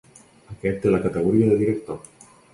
Aquest té la categoria de director.